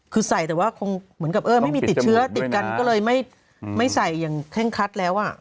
คือใส่แต่ว่าคงเหมือนกับเออไม่มีติดเชื้อติดกันก็เลยไม่ใส่อย่างเคร่งครัดแล้ว